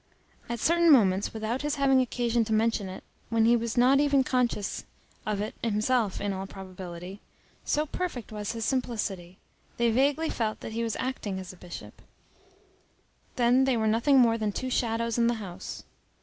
At certain moments, without his having occasion to mention it, when he was not even conscious of it himself in all probability, so perfect was his simplicity, they vaguely felt that he was acting as a bishop; then they were nothing more than two shadows in the house.